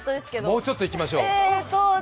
もうちょっといきましょう。